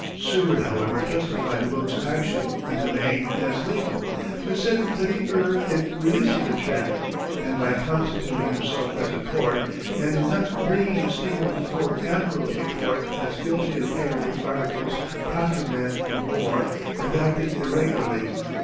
Seward, however, justified Wilkes's action in the main as legal, but said that he erred in releasing the Trent; and by constituting himself as a court, and in not bringing the steamer before an admiralty court as guilty of carrying articles contraband of war, had acted irregularly.